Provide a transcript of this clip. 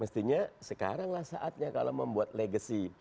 mestinya sekarang lah saatnya kalau membuat legacy